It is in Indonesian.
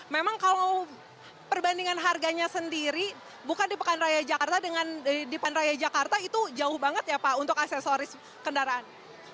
memang kalau perbandingan harganya sendiri bukan di pekaraya jakarta dengan di pekaraya jakarta itu jauh banget ya pak untuk aksesoris kendaraan